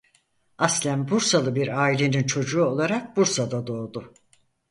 Aslen Bursalı bir ailenin çocuğu olarak Bursa'da doğdu.